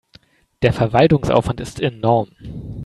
Der Verwaltungsaufwand ist enorm.